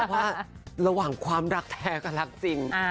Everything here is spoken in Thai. ว่าระหว่างความรักแท้กับรักจริง